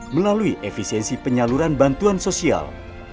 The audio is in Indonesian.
melalui efisiensi penyaluran bantuan sosial